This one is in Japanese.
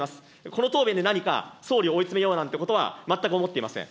この答弁で何か、総理を追い詰めようなんてことは全く思っていません。